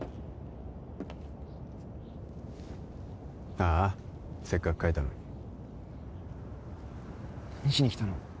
ああせっかく書いたのに何しに来たの？